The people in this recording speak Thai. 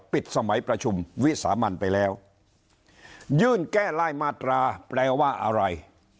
ปิดสมัยประชุมวิสามันไปแล้วยื่นแก้รายมาตราแปลว่าอะไร